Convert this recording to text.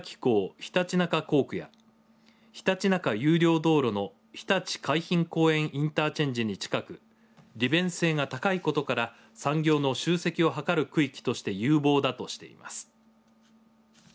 常陸那珂港区や常陸那珂有料道路のひたち海浜公園インターチェンジに近く利便性が高いことから産業の集積を図る区域として有望だとしています。